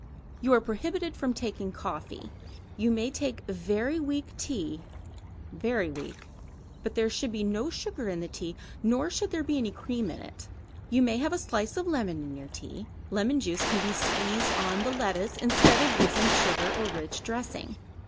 You are prohibited from taking coffee. You may take very weak tea very weak but there should be no sugar in the tea, nor should there be any cream in it. You may have a slice of lemon in your tea. Lemon juice can be squeezed on the lettuce instead of using sugar or rich dressing.